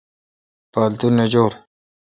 پاتو نہ جولو۔